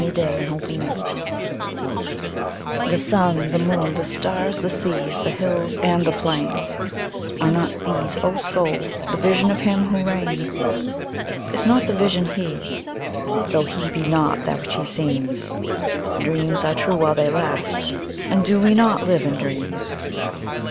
The Higher Pantheism THE SUN, the moon, the stars, the seas, the hills and the plains—Are not these, O Soul, the Vision of Him who reigns? Is not the Vision He? tho' He be not that which He seems? Dreams are true while they last, and do we not live in dreams?